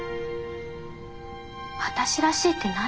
私らしいって何？